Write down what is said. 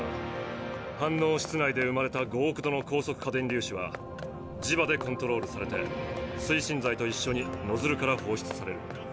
反応室内で生まれた５億度の高速荷電粒子は磁場でコントロールされて推進剤と一緒にノズルから放出される。